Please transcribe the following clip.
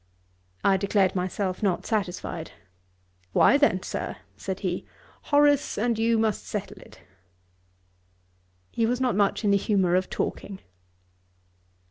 I declared myself not satisfied. 'Why then, Sir, (said he,) Horace and you must settle it.' He was not much in the humour of talking.